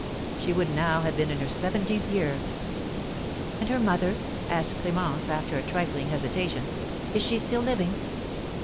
She would now have been in her seventeenth year." "And her mother," asked Clémence, after a trifling hesitation, "is she still living?"